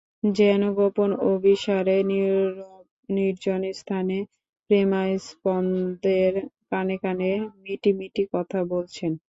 যেন গোপন অভিসারে নিরব নির্জন স্থানে প্রেমাস্পদের কানে কানে মিটিমিটি কথা বলছেন।